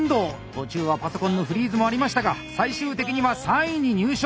途中はパソコンのフリーズもありましたが最終的には３位に入賞！